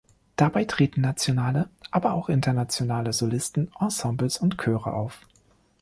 Dabei treten nationale, aber auch internationale Solisten, Ensembles und Chöre auf.